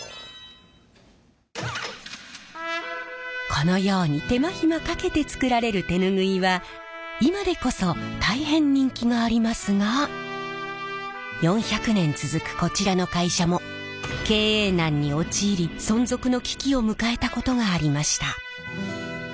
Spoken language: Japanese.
このように手間暇かけて作られる手ぬぐいは今でこそ大変人気がありますが４００年続くこちらの会社も経営難に陥り存続の危機を迎えたことがありました。